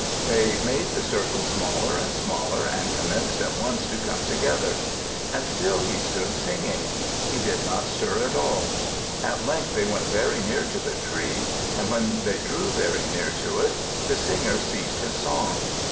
They made the circle smaller and smaller, and commenced at once to come together. And still he stood singing; he did not stir at all. At length they went very near to the tree. And when they drew very near to it, the singer ceased his song.